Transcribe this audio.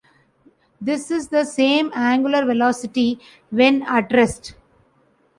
This is the same angular velocity when at rest.